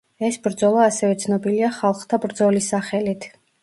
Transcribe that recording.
ეს ბრძოლა ასევე ცნობილია ხალხთა ბრძოლის სახელით.